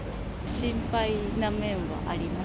心配な面もあります。